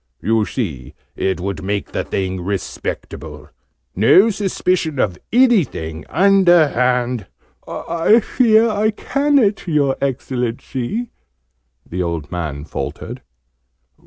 You see it would make the thing respectable no suspicion of anything, underhand " "I fear I ca'n't, your Excellency!" the old man faltered.